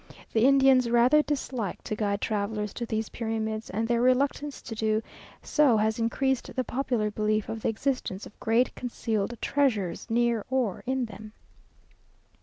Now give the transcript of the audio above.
The Indians rather dislike to guide travellers to these pyramids, and their reluctance to do so has increased the popular belief of the existence of great concealed treasures near or in them.